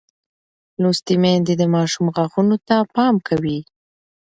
لوستې میندې د ماشوم غاښونو ته پام کوي.